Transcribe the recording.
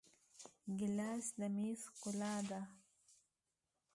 ګیلاس د میز ښکلا ده.